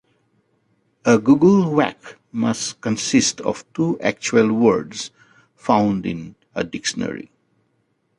A Googlewhack must consist of two actual words found in a dictionary.